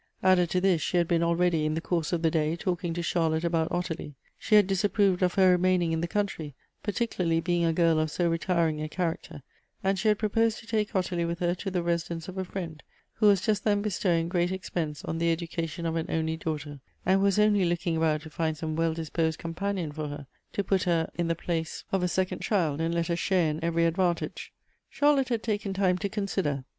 Added to this, she had been already, in the course of the day, talking to Charlotte about Ottilia ; she had disapproved of her remaining in the country, particularly being a girl of so retiring a character; and she had proposed to take Ottilia with her to the residence of a friend, who was just then bestowing geat expense on the education of an only daughter, and who was only looking about to find some wall disposed companion for her, — to put her in the place of a second child, and let her share in every advantage. Charlotte had taken time to consider.